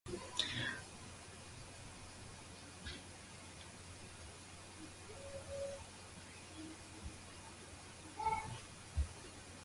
Plumbing can require significant capital investment.